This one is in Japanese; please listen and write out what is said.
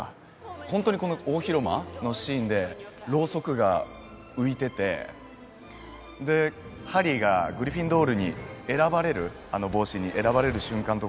本当にこの大広間のシーンでろうそくが浮いててでハリーがグリフィンドールに選ばれるあの帽子に選ばれる瞬間とか